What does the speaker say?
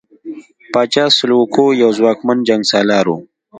پاچا سلوکو یو ځواکمن جنګسالار وو.